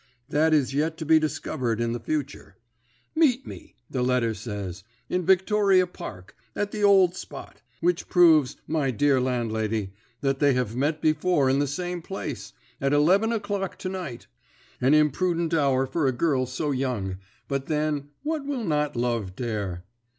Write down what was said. That is yet to be discovered in the future. "Meet me," the letter says, "in Victoria Park, at the old spot" which proves, my dear landlady, that they have met before in the same place "at eleven o'clock to night." An imprudent hour for a girl so young; but, then, what will not love dare?